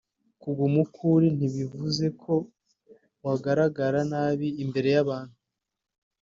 Kuguma uko uri ntibivuze ko wagaragara nabi imbere y’abantu